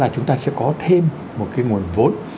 chúng ta sẽ có thêm một nguồn vốn